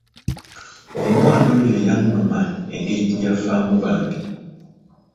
Omwana oyo yannuma engeri gye yafaamu bambi.